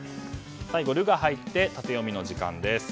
最後「ル」が入ってタテヨミの時間です。